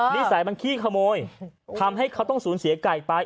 นิสัยมันขี้ขโมยทำให้เขาต้องสูญเสียไก่ไป